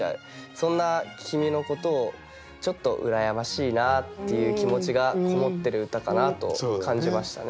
そんな「君」のことをちょっと羨ましいなっていう気持ちがこもってる歌かなと感じましたね。